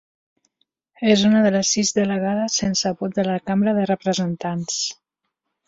És una de les sis delegades sense vot de la Cambra de Representants.